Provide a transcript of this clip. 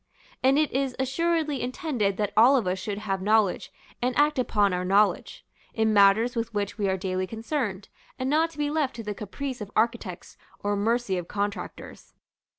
And it is assuredly intended that all of us should have knowledge, and act upon our knowledge, in matters with which we are daily concerned, and not to be left to the caprice of architects or mercy of contractors.